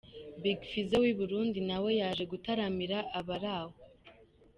Big Fizzo w'i Burundi nawe yaje gutaramira abari aho.